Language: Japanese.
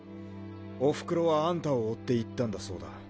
おふくろはあんたを追っていったんだそうだ。